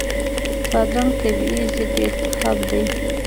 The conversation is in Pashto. بادرنګ طبیعي ضد التهاب دی.